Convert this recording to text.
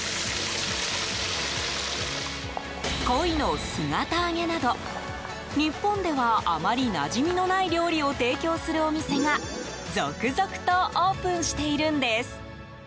コイの姿揚げなど日本では、あまりなじみのない料理を提供するお店が続々とオープンしているんです。